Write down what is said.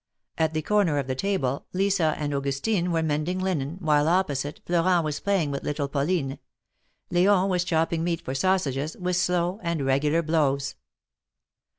At the corner of the table, Lisa and Au gustine were mending linen, while opposite, Florent was playing with little Pauline — L^on was chopping meat for sausages with slow and regular blows.